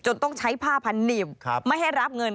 จนต้องใช้ผ้าพันธุ์หนีบไม่ให้รับเงิน